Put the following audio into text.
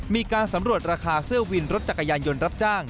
มีการสำรวจราคาเสื้อวินรถจักรยานยนต์รับจ้าง